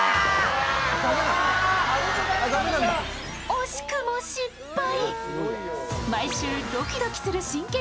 惜しくも失敗。